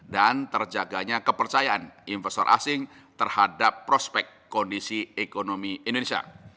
dan terjaganya kepercayaan investor asing terhadap prospek kondisi ekonomi indonesia